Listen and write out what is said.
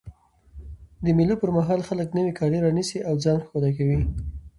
د مېلو پر مهال خلک نوی کالي رانيسي او ځان ښکلی کوي.